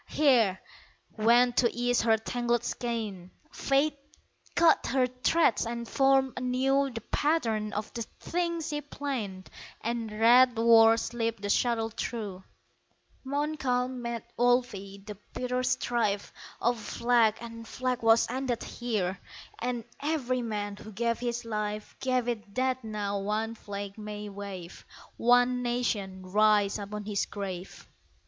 Here, when to ease her tangled skein Fate cut her threads and formed anew The pattern of the thing she planned And red war slipped the shuttle through, Montcalm met Wolfe! The bitter strife Of flag and flag was ended here And every man who gave his life Gave it that now one flag may wave, One nation rise upon his grave!